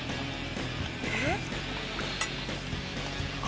えっ？